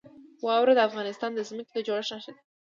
واوره د افغانستان د ځمکې د جوړښت نښه ده.